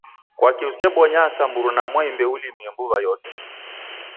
Kwaki usebonyagha sa mruna Mwaimbe ulimie mbuwa yose